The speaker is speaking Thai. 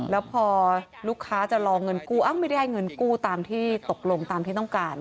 แล้วพอลูกค้าจะรอเงินกู้ไม่ได้เงินกู้ตามที่ตกลงตามที่ต้องการ